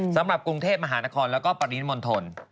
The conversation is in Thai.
สำหรับกรุงเทพมหานครแล้วก็ปริมณฑล